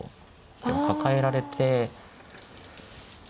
でもカカえられて。